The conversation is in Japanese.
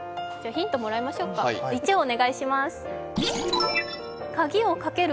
ヒントもらいましょうか、１お願いします。